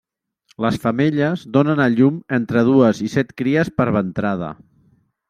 Les femelles donen a llum entre dues i set cries per ventrada.